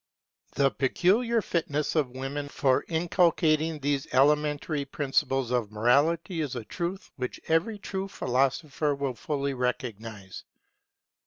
The peculiar fitness of women for inculcating these elementary principles of morality is a truth which every true philosopher will fully recognize.